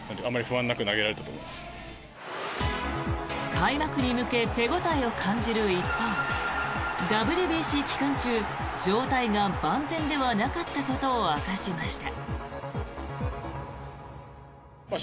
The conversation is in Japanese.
開幕に向け手応えを感じる一方ＷＢＣ期間中状態が万全ではなかったことを明かしました。